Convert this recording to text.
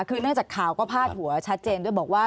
คือเนื่องจากข่าวก็พาดหัวชัดเจนด้วยบอกว่า